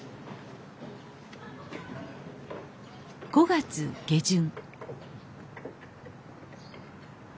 ５月下旬